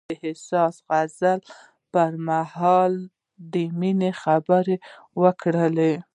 هغه د حساس غزل پر مهال د مینې خبرې وکړې.